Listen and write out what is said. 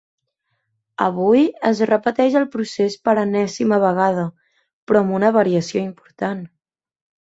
Avui es repeteix el procés per enèsima vegada, però amb una variació important.